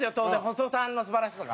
細３の素晴らしさが。